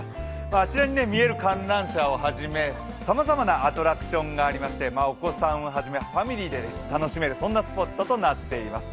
あちらに見える観覧車をはじめさまざまなアトラクションがありましてお子さんはじめファミリーで楽しめるスポットとなっています。